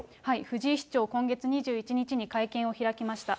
藤井市長、今月２１日に会見を開きました。